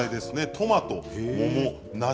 トマト桃梨